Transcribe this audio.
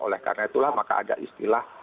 oleh karena itulah maka ada istilah